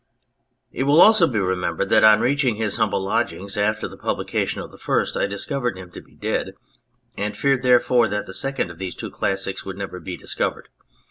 It will also be remembered that on reaching his humble lodgings after the publication of the first, I discovered him to be dead, and feared, therefore, that the second of these two classics would never be discovered.